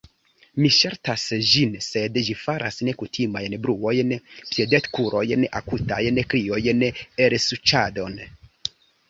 Mi ŝaltas ĝin, sed ĝi faras nekutimajn bruojn: piedetkurojn, akutajn kriojn, elsuĉadon...